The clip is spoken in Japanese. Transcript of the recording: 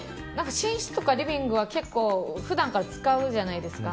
寝室とかリビングは普段から使うじゃないですか。